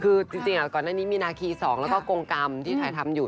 คือจริงก่อนหน้านี้มีนาคี๒แล้วก็กรงกรรมที่ถ่ายทำอยู่